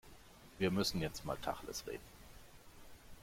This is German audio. Wir müssen jetzt mal Tacheles reden.